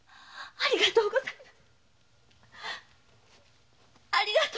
ありがとうございます。